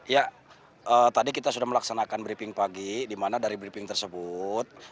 ya tadi kita sudah melaksanakan briefing pagi di mana dari briefing tersebut